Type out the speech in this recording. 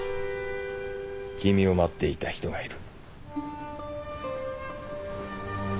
君を待っていた人がいる。